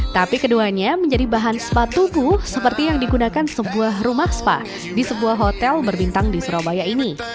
tapi keduanya menjadi bahan spa tubuh seperti yang digunakan sebuah rumah spa di sebuah hotel berbintang di surabaya ini